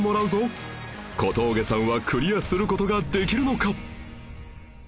小峠さんはクリアする事ができるのか？